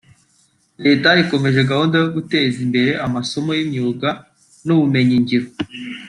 Leta ikomeje gahunda yo guteza imbere amasomo y’imyuga n’ubumenyingiro